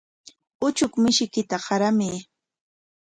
Uchuk mishiykita qaramay.